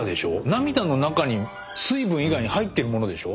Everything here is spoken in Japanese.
涙の中に水分以外に入ってるものでしょ？